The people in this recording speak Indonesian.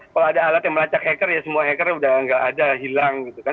kalau ada alat yang melacak hacker ya semua hackernya sudah tidak ada hilang